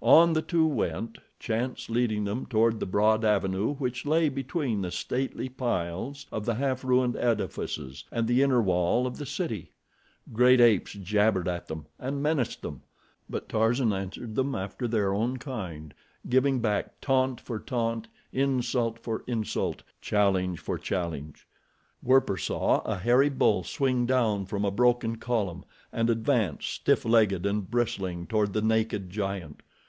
On the two went, chance leading them toward the broad avenue which lay between the stately piles of the half ruined edifices and the inner wall of the city. Great apes jabbered at them and menaced them; but Tarzan answered them after their own kind, giving back taunt for taunt, insult for insult, challenge for challenge. Werper saw a hairy bull swing down from a broken column and advance, stiff legged and bristling, toward the naked giant.